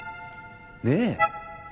ねえ？